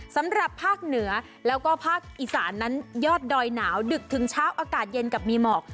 สำหรับภาคเหนือแล้วก็ภาคอีสานนั้นยอดดอยหนาวดึกถึงเช้าอากาศเย็นกับมีหมอก